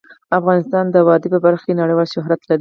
افغانستان د وادي په برخه کې نړیوال شهرت لري.